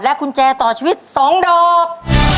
และคุญแจต่อชีวิตสองดอก